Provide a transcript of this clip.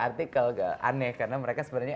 artikel aneh karena mereka sebenarnya